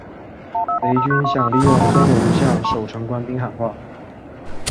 贼军想利用宗龙向守城官兵喊话。